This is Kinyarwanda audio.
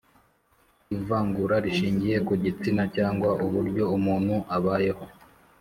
ivangura rishingiye ku gitsina cyangwa uburyo umuntu abayeho